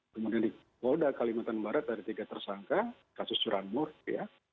kemudian di polda kalimantan barat ada tiga tersangka kasus curanmor ya